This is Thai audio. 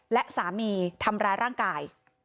และสามีทำร้ายร่างกาย